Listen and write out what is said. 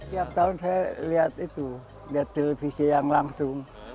tiap tahun saya lihat itu lihat televisi yang langsung